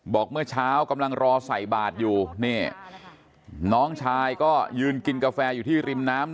เมื่อเช้ากำลังรอใส่บาทอยู่นี่น้องชายก็ยืนกินกาแฟอยู่ที่ริมน้ำ